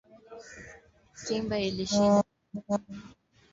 Bi Juma anatengeneza kashata tamu.